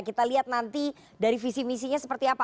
kita lihat nanti dari visi misinya seperti apa